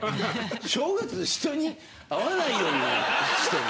正月人に会わないようにしてんの。